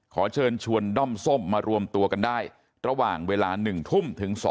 ขอเชิญชวนด้อมส้มมารวมตัวกันได้ระหว่างเวลา๑ทุ่มถึง๒